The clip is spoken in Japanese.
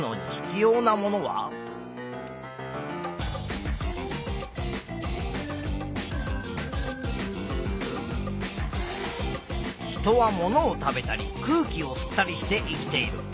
人はものを食べたり空気を吸ったりして生きている。